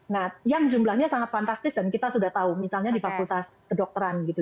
nah yang jumlahnya sangat fantastis dan kita sudah tahu misalnya di fakultas kedokteran gitu